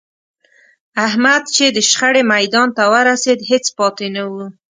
احمد چې د شخړې میدان ته ورسېد، هېڅ پاتې نه و.